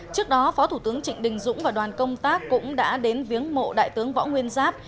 trước đó phó thủ tướng trịnh đình dũng và đoàn công tác cũng đã đến viếng mộ đại tướng võ nguyên giáp